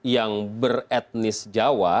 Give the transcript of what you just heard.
yang beretnis jawa